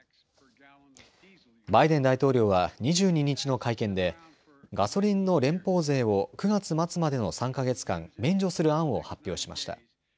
バイデン大統領は２２日の会見でガソリンの連邦税を９月末までの３か月間、免除する案を発表しました。